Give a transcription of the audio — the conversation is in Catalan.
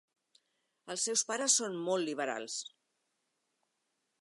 Els seus pares són molt liberals.